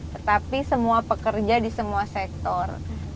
tetapi semua pekerja di semua sektor